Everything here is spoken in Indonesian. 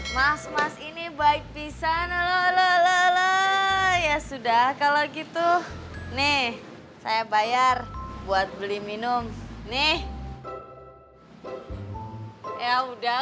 mas mas ini baik bisa nela lelah ya sudah kalau gitu nih saya bayar buat beli minum nih ya udah